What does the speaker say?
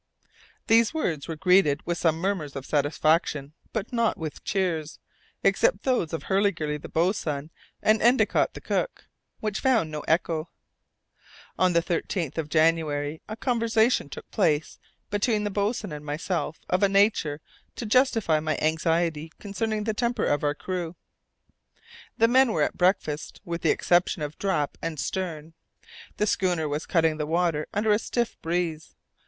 These words were greeted with some murmurs of satisfaction, but not with cheers, except those of Hurliguerly the boatswain, and Endicott the cook, which found no echo. On the 13th of January a conversation took place between the boatswain and myself of a nature to justify my anxiety concerning the temper of our crew. The men were at breakfast, with the exception of Drap and Stern. The schooner was cutting the water under a stiff breeze.